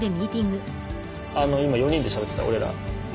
今４人でしゃべってた俺ら。